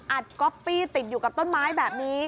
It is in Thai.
ก๊อปปี้ติดอยู่กับต้นไม้แบบนี้